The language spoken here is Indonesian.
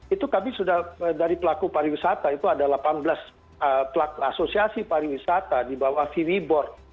itu kami sudah dari pelaku pariwisata itu ada delapan belas asosiasi pariwisata di bawah v rebor